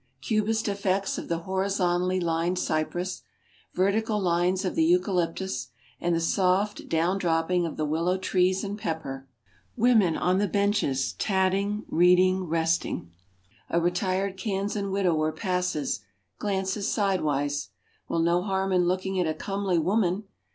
Cubist effects of the horizontally lined cypress, vertical lines of the eucalyptus, and the soft, down dropping of the willow trees and pepper. Women on the benches tatting, reading, resting. A retired Kansan widower passes, glances sidewise. Well, no harm in looking at a comely woman.